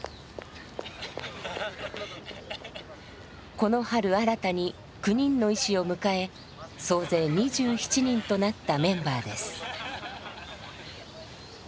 この春新たに９人の医師を迎え総勢２７人となったメンバーです。